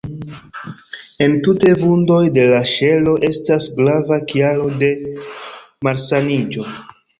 Entute, vundoj de la ŝelo estas grava kialo de malsaniĝo.